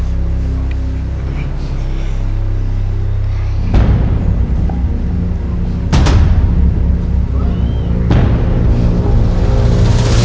ไทยไทยไทย